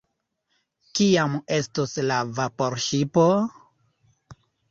Kiam estos la vaporŝipo?